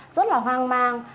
rất là hoang mang